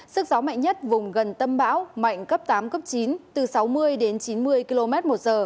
sức gió mạnh nhất vùng gần tâm bão mạnh cấp tám cấp chín từ sáu mươi đến chín mươi km một giờ